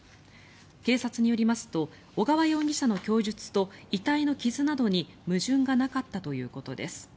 警察によりますと小川容疑者の供述と遺体の傷などに矛盾がなかったということです。